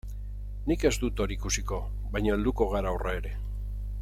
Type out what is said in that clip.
Nik ez dut hori ikusiko, baina helduko gara horra ere.